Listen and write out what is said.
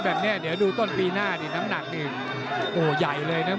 เนี่ยเห็นตอนปีหน้าดูสักตั้งหมดน้ำหนัก